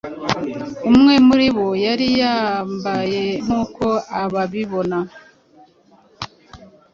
Umwe muribo yari yambayenkuko ababibona